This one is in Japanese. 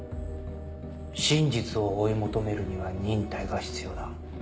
真実を追い求めるには忍耐が必要だ。